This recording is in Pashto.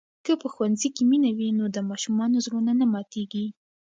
که په ښوونځي کې مینه وي نو د ماشومانو زړونه نه ماتېږي.